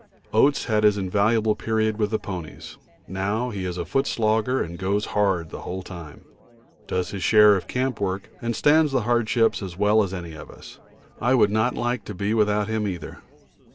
Oates had his invaluable period with the ponies; now he is a foot slogger and goes hard the whole time, does his share of camp work, and stands the hardship as well as any of us. I would not like to be without him either.